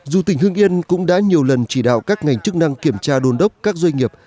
dù tỉnh hương yên cũng đã nhiều lần chỉ đạo các ngành chức năng kiểm tra đồn đốc các doanh nghiệp